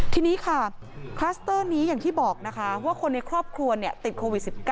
ทีนี้ค่ะคลัสเตอร์นี้อย่างที่บอกนะคะว่าคนในครอบครัวติดโควิด๑๙